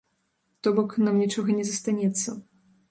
То бок нам нічога не застанецца.